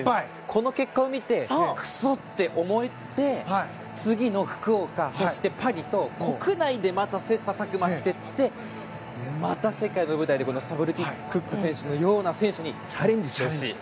この結果を見てクソ！と思えて次の福岡、そしてパリと国内でまた切磋琢磨していってまた世界の舞台でスタブルティ・クック選手のような選手にチャレンジしてほしい。